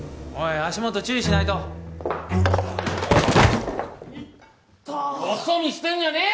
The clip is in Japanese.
足元注意しないといったよそ見してんじゃねえよ！